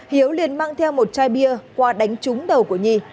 hiếu liền mang theo một chai bia qua đánh trúng đầu của nhi